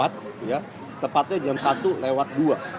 tepatnya jam satu lewat dua